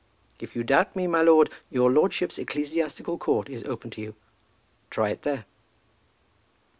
If you doubt me, my lord, your lordship's ecclesiastical court is open to you. Try it there."